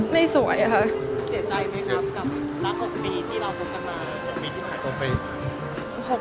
ไม่สวยค่ะ